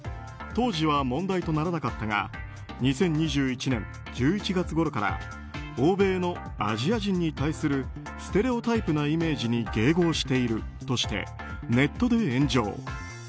当時は問題とならなかったが２０２１年１１月ごろから欧米のアジア人に対するステレオタイプなイメージに迎合しているとしてネットで炎上。